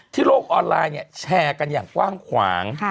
โลกออนไลน์แชร์กันอย่างกว้างขวาง